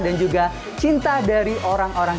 dan juga cinta dari orang orang